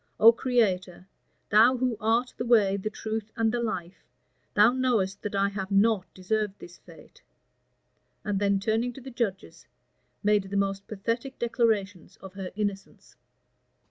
O Creator! thou who art the way, the truth, and the life, thou knowest that I have not deserved this fate;" and then turning to the judges, made the most pathetic declarations of her innocence.